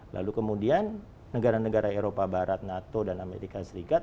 lalu kemudian negara negara eropa barat nato dan amerika serikat